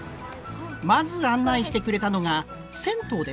まず案内してくれたのが銭湯です。